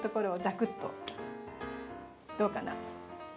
どうかな？